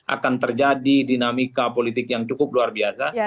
akan terjadi dinamika politik yang cukup luar biasa